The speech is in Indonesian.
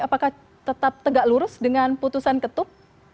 apakah tetap tegak lurus dengan keputusan ketum